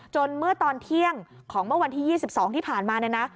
เมื่อตอนเที่ยงของเมื่อวันที่๒๒ที่ผ่านมาเนี่ยนะ